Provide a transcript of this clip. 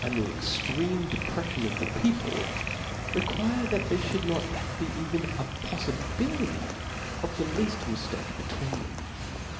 the ex treme depreffion of the people, require that there (hould not be even a poffibility of the lead miftake between them.